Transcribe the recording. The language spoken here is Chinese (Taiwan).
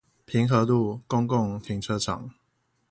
平和路公共停車場